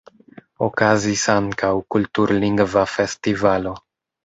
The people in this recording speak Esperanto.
Okazis ankaŭ kultur-lingva festivalo.